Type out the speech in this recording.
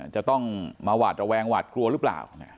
จะต้องมาหวาดระแวงหวาดกลัวหรือเปล่า